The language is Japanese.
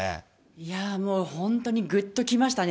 いやー、もう、本当にぐっと来ましたね。